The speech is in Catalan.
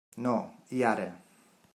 No, i ara!